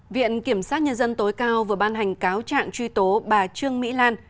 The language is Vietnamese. viện kiểm sát nhân dân tối cao vừa ban hành cáo trạng truy tố bà trương mỹ lan